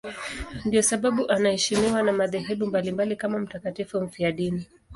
Ndiyo sababu anaheshimiwa na madhehebu mbalimbali kama mtakatifu mfiadini.